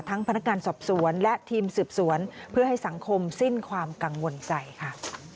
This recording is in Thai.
พนักงานสอบสวนและทีมสืบสวนเพื่อให้สังคมสิ้นความกังวลใจค่ะ